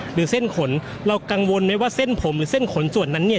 หรือเส้นขนเรากังวลไหมว่าเส้นผมหรือเส้นขนส่วนนั้นเนี่ย